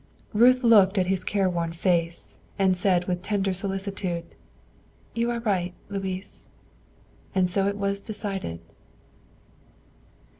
Ruth looked at his careworn face, and said with tender solicitude, "You are right, Louis." And so it was decided.